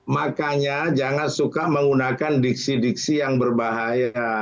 makanya jangan suka menggunakan diksi diksi yang berbahaya